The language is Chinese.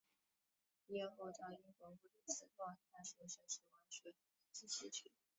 毕业后到英国布里斯托大学学习文学及戏剧。